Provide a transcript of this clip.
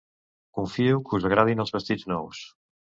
Confio que us agradin els vestits nous.